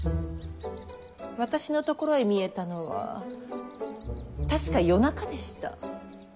私のところへ見えたのは確か夜中でした。